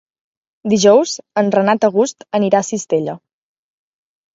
Dijous en Renat August anirà a Cistella.